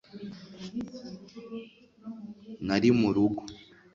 nari murugo